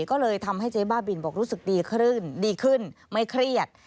ก็เลยทำให้เจ๊บ้าบินบอกรู้สึกดีขึ้นดีขึ้นไม่เครียด